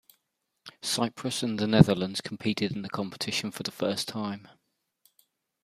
Cyprus and the Netherlands competed in the competition for the first time.